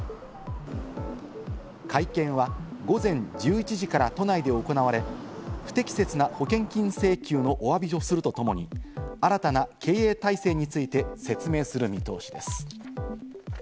会見は午前１１時から都内で行われ、不適切な保険金請求のお詫びをするとともに、新たな経営体制について説明する見通しです。